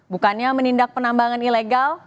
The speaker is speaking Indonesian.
bukannya menindak penambangan ilegal